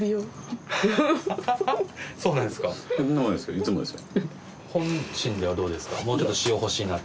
いつもですよ。